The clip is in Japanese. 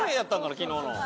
昨日の」。